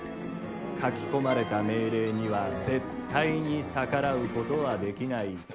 書き込まれた命令には絶対に逆らうことはできない。